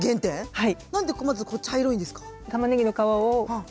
はい。